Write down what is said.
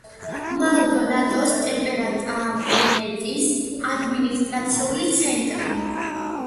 მალდონადოს დეპარტამენტის ადმინისტრაციული ცენტრი.